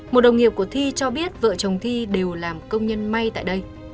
một đồng nghiệp của thi cho biết vợ chồng thi đều làm công nhân may tại đây